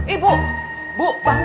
ibu ibu bangun